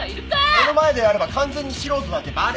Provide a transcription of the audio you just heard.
目の前でやれば完全に素人だってバレる！